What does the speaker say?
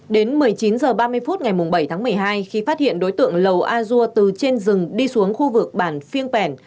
đến một mươi chín h ba mươi phút ngày bảy tháng một mươi hai khi phát hiện đối tượng lầu a dua từ trên rừng đi xuống khu vực bản phiêng pèn